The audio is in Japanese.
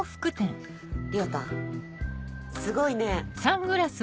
亮太すごいね。